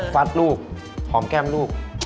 ฟัดลูกหอมแก้มลูก